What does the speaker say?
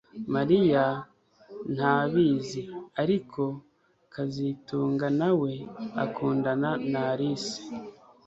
Mariya ntabizi ariko kazitunga nawe akundana na Alice